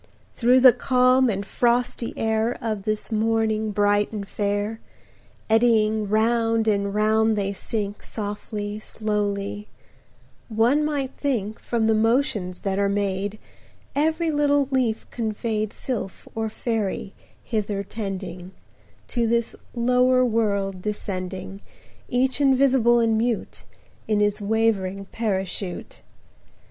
Through the calm and frosty air Of this morning bright and fair, Eddying round and round they sink Softly, slowly: one might think, 10 From the motions that are made, Every little leaf conveyed Sylph or Faery hither tending,– To this lower world descending, Each invisible and mute, In his wavering parachute.